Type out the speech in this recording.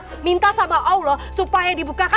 terus sholat minta sama allah supaya dibuka kan rezeki kan